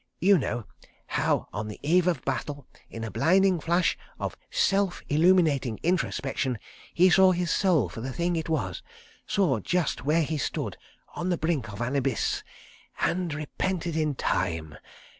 ... You know—how on the Eve of Battle, in a blinding flash of self illuminating introspection, he saw his soul for the Thing it was, saw just where he stood—on the brink of an Abyss. ... And repented in time.